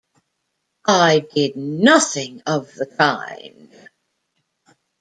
I did nothing of the kind.